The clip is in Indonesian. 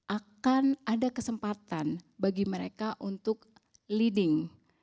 akan ada kesempatan bagi mereka untuk leading